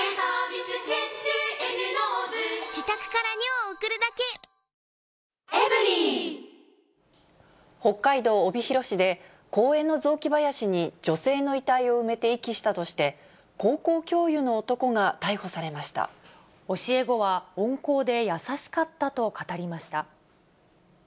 温厚な人で、北海道帯広市で、公園の雑木林に女性の遺体を埋めて遺棄したとして、高校教諭の男教え子は、温厚で優しかったと語りました。